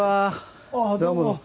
・ああどうも。